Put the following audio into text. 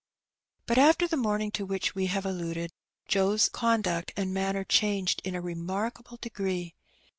But after the morning to which we have alluded, Joe's conduct and manner changed in a remarkable degree.